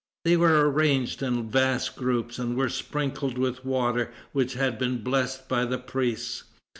They were arranged in vast groups, and were sprinkled with water which had been blessed by the priests.